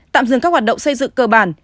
tạm dừng các hoạt động xây dựng cơ bản